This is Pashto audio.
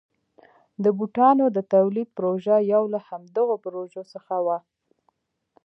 د بوټانو د تولید پروژه یو له همدغو پروژو څخه وه.